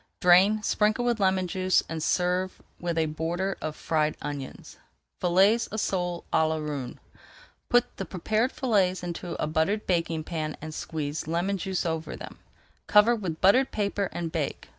Drain, sprinkle with lemon juice, and serve with a border of fried onions. [Page 392] FILLETS OF SOLE À LA ROUEN Put the prepared fillets into a buttered baking pan and squeeze lemon juice over them. Cover with buttered paper and bake.